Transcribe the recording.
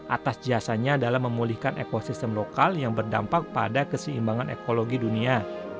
atas jasanya adalah memulihkan ekosistem lokal yang berdampak pada keseimbangan ekologi dunia